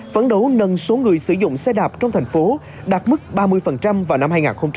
phấn đấu nâng số người sử dụng xe đạp trong thành phố đạt mức ba mươi vào năm hai nghìn hai mươi